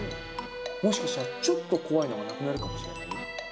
もしかしたら、ちょっと怖いのなくなるかもしれないよ。